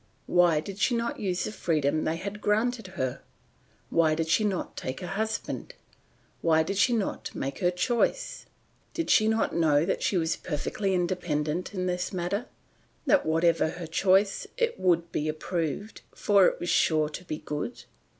Why did she not use the freedom they had granted her? Why did she not take a husband? Why did she not make her choice? Did she not know that she was perfectly independent in this matter, that whatever her choice, it would be approved, for it was sure to be good?